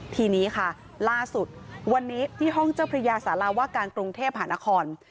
ทีนี้ค่ะล่าสุดวันนี้ที่ห้องเจ้าพระยาสาราว่าการกรุงเทพหานคร